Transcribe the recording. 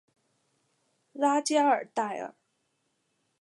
拉加尔代尔。